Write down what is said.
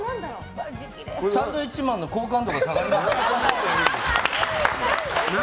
サンドウィッチマンの好感度が下がりますように。